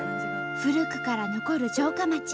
古くから残る城下町。